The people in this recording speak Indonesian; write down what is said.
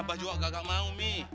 abah juga gak mau umi